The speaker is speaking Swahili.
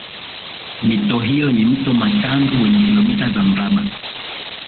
Mito hiyo ni Mto Matandu wenye kilometa za mraba